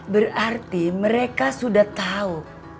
berarti mereka sudah tahu